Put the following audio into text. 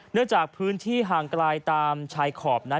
เนื่องจากห่างกลายตามอย่างตอนนั้น